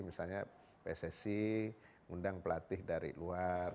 misalnya pssc mengundang pelatih dari luar